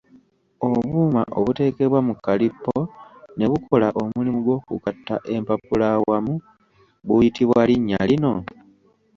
Obuuma obuteekebwa mu kalippyo ne bukola omulimu gw’okugatta empapula awamu buyitibwa linnya lino?